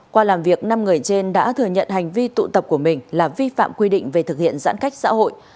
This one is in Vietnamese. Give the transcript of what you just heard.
qua làm việc năm người trên đã thừa nhận hành vi tụ tập của mình là vi phạm quy định về thực hiện giãn cách xã hội